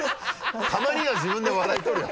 たまには自分で笑い取るよ